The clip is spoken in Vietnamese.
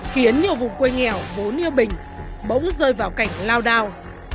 khiến nhiều vùng quê nghèo vốn như bình bỗng rơi vào cảnh lao đao